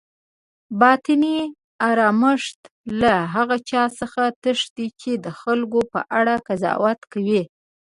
باطني آرامښت له هغه چا څخه تښتي چی د خلکو په اړه قضاوت کوي